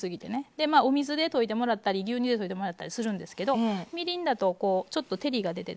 でお水で溶いてもらったり牛乳で溶いてもらったりするんですけどみりんだとこうちょっと照りが出てですね。